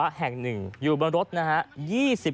อาชีวะแห่งหนึ่งอยู่บนรถนะครับ